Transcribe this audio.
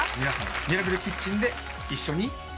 皆さんミラブルキッチンで一緒に。